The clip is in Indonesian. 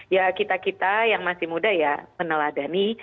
ya kita kita yang masih muda ya meneladani